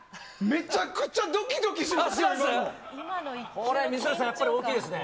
めちゃくちゃドキドキしますね。